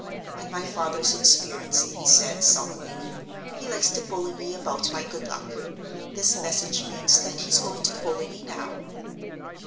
"When my father's in spirits," he said, sulkily, "he likes to bully me about my good luck. This message means that he's going to bully me now."